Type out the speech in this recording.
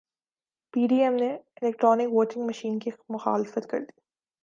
پی D M نے electronic voting machine کی مخالفت کردی